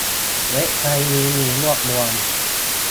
เว็บไซต์นี้มีรวบรวม